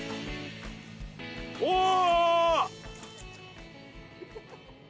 おお！